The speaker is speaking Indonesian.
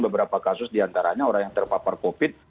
beberapa kasus diantaranya orang yang terpapar covid